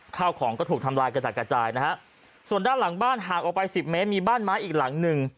ข้าวของก็ถูกทำลายกระจัดกระจายนะฮะส่วนด้านหลังบ้านห่างออกไปสิบเมตรมีบ้านไม้อีกหลังหนึ่ง